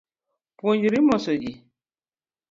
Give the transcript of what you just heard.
Puojri moso ji